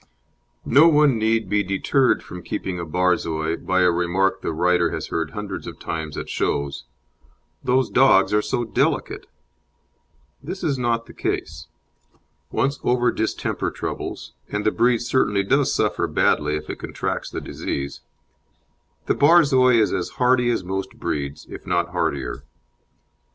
No one need be deterred from keeping a Borzoi by a remark the writer has heard hundreds of times at shows: "Those dogs are so delicate." This is not the case. Once over distemper troubles and the breed certainly does suffer badly if it contracts the disease the Borzoi is as hardy as most breeds, if not hardier.